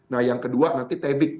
nah yang kedua nanti tebing